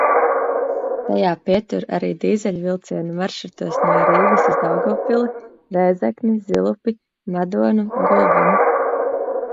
Tajā pietur arī dīzeļvilcieni maršrutos no Rīgas uz Daugavpili, Rēzekni, Zilupi, Madonu, Gulbeni.